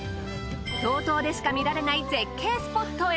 道東でしか見られない絶景スポットへ。